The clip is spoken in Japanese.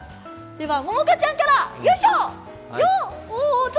では、モモカちゃんから。